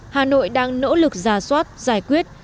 hà nội đang nỗ lực giả soát giải quyết